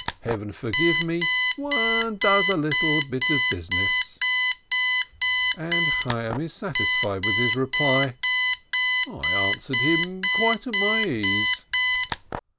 Heaven forgive me, one does a little bit of business !" And Chayyim is satisfied with his reply, "I answered him quite at my ease."